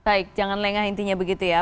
baik jangan lengah intinya begitu ya